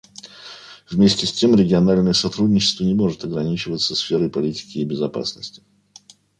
Вместе с тем региональное сотрудничество не может ограничиваться сферой политики и безопасности.